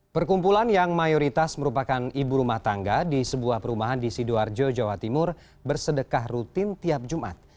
perkumpulan yang mayoritas merupakan ibu rumah tangga di sebuah perumahan di sidoarjo jawa timur bersedekah rutin tiap jumat